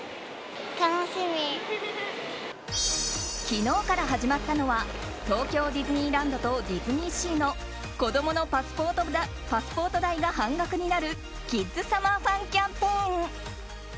昨日から始まったのは東京ディズニーランドとディズニーシーの子供のパスポート代が半額になるキッズサマーファン！